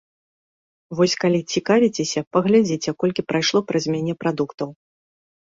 Вось калі цікавіцеся, паглядзіце, колькі прайшло праз мяне прадуктаў.